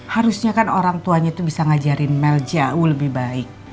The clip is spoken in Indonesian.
harusnya kan orang tuanya itu bisa ngajarin mel jauh lebih baik